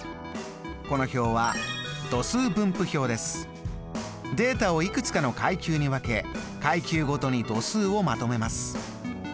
この表はデータをいくつかの階級に分け階級ごとに度数をまとめます。